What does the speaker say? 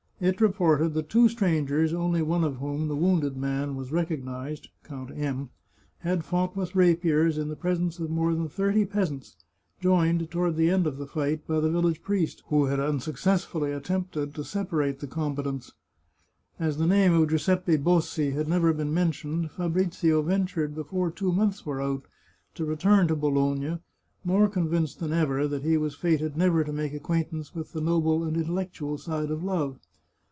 It reported that two strangers, only one of whom, the wounded man, was recognised (Count M ), had fought with rapiers in the presence of more than thirty peasants, joined, toward the end of the fight, by the village priest, who had unsuccessfully endeavoured to separate the com batants. As the name of Giuseppe Bossi had never been mentioned, Fabrizio ventured, before two months were out, to return to Bologna, more convinced than ever that he was fated never to make acquaintance with the noble and intel lectual side of love.